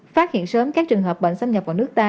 phát hiện sớm các trường hợp bệnh xâm nhập vào nước ta